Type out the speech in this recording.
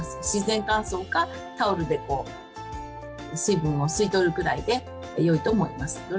自然乾燥かタオルで水分を吸い取るくらいでよいと思います。